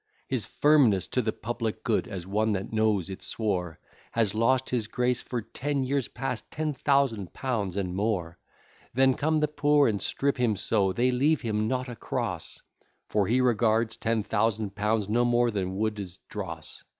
His firmness to the public good, as one that knows it swore, Has lost his grace for ten years past ten thousand pounds and more. Then come the poor and strip him so, they leave him not a cross, For he regards ten thousand pounds no more than Wood's dross.